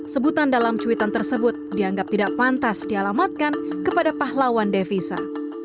sebutan dalam cuitan tersebut dianggap tidak pantas dialamatkan kepada pahlawan devisa